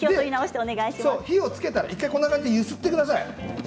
火をつけたらこんな感じで１回揺すってください。